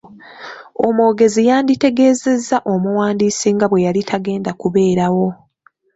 Omwogezi yanditegezezza omuwandiisi nga bwe yali tagenda kubeerawo.